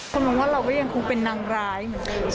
คนบอกว่าเราก็ยังคงเป็นนางร้ายเหมือนกัน